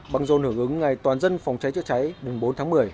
bằng dồn hưởng ứng ngày toàn dân phòng cháy chữa cháy bốn tháng một mươi